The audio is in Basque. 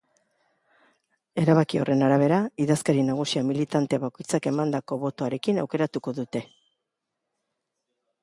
Erabaki horren arabera, idazkari nagusia militante bakoitzak emandako botoarekin aukeratuko dute.